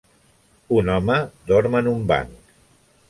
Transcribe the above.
Un home dorm en un banc.